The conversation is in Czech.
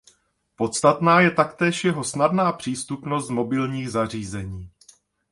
Podstatná je taktéž jeho snadná přístupnost z mobilních zařízení.